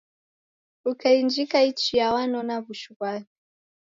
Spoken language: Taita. Ukainjika ichia wanona w'ushu ghwape.